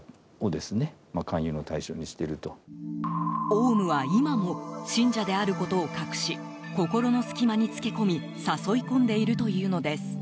オウムは今も信者であることを隠し心の隙間につけ込み誘い込んでいるというのです。